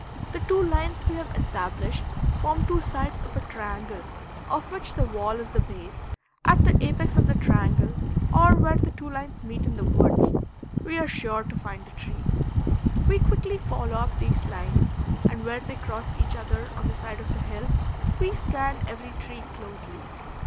The two lines we have established form two sides of a triangle of which the wall is the base; at the apex of the triangle, or where the two lines meet in the woods, we are sure to find the tree. We quickly follow up these lines, and where they cross each other on the side of the hill we scan every tree closely.